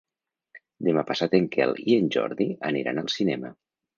Demà passat en Quel i en Jordi aniran al cinema.